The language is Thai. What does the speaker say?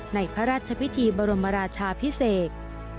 ในพระราชพิธีบรมราชาพิเศษ